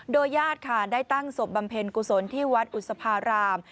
โดยญาติค่ะได้ตั้งศพบำเพ็ญกุศลที่วัดอุศภาราม